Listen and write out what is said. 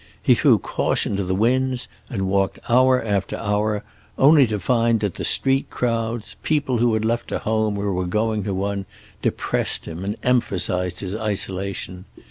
He threw caution to the winds and walked hour after hour, only to find that the street crowds, people who had left a home or were going to one, depressed him and emphasized his isolation.